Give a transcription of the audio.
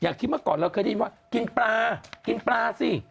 ที่เมื่อก่อนเราเคยได้ยินว่ากินปลากินปลาสิ